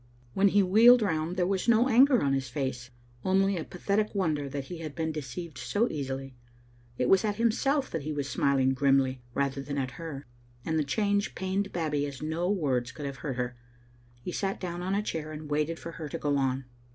When he wheeled round there was no anger on his face, only a pathetic wonder that he had been de ceived so easily. It was at himself that he was smil ing grimly rather than at her, and the change pained Babbie as no words could have hurt her. He sat down on a chair and waited for her to go on.